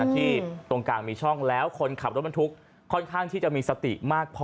ตรงกลางมีช่องแล้วคนขับรถบรรทุกค่อนข้างที่จะมีสติมากพอ